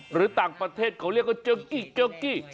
หรือต่างประเทศเขาเรียกว่าเจอกี้เกอร์กี้